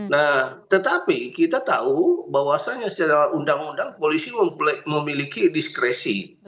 nah tetapi kita tahu bahwasannya secara undang undang polisi memiliki diskresi